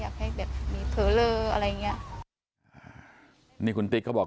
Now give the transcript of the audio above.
อยากให้เป็นมีเพื่ออะไรเนี้ยมีคนติดก็บอก